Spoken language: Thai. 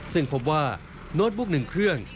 ซึ่งพบว่าโน้ตบุ๊ก๑เครื่อง